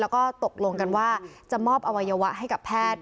แล้วก็ตกลงกันว่าจะมอบอวัยวะให้กับแพทย์